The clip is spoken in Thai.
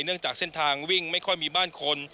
เนื่องจากเส้นทางวิ่งไม่ค่อยมีบ้านคน